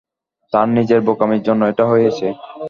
তাঁর নিজের বোকামির জন্যে এটা হয়েছে।